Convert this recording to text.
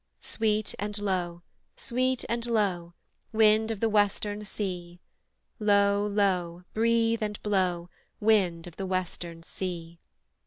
Sweet and low, sweet and low, Wind of the western sea, Low, low, breathe and blow, Wind of the western sea!